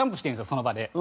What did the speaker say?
その場で。